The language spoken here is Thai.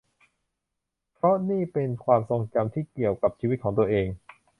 เพราะนี่เป็นความทรงจำที่เกี่ยวกับชีวิตของตัวเอง